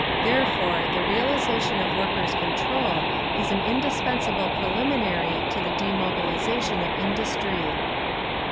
Therefore the realisation of Workers' Control is an indispensable preliminary to the demobilisation of industry.